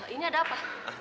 ini ada apa